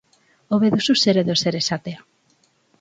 Hobe duzu zer edo zer esatea.